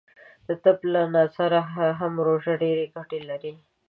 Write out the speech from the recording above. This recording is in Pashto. د طب له نظره هم روژه ډیرې ګټې لری .